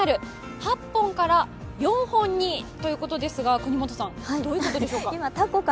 ８本から４本に！？ということですがどういうことでしょうか。